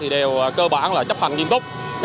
đều cơ bản chấp hành nghiêm túc